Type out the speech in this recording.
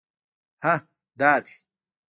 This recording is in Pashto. _هه! دا دی!